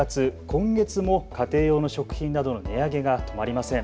今月も家庭用の食品などの値上げが止まりません。